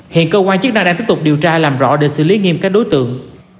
hiện cơ quan chức năng đang tiếp tục điều tra làm rõ để xử lý nghiêm các đối tượng